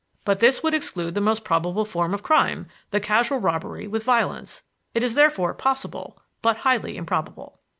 But this would exclude the most probable form of crime the casual robbery with violence. It is therefore possible, but highly improbable.